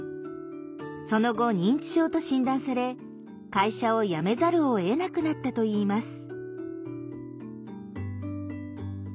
その後認知症と診断され会社を辞めざるをえなくなったといいます。